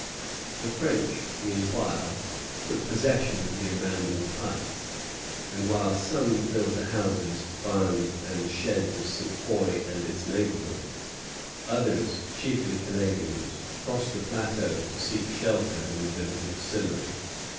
The French, meanwhile, took possession of the abandoned heights; and while some filled the houses, barns, and sheds of Ste. Foy and its neighborhood, others, chiefly Canadians, crossed the plateau to seek shelter in the village of Sillery.